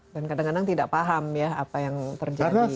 dan kadang kadang tidak paham ya apa yang terjadi